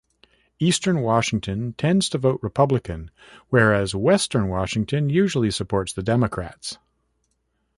Eastern Washington tends to vote Republican, whereas Western Washington usually supports the Democrats.